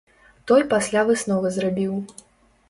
Той пасля высновы зрабіў.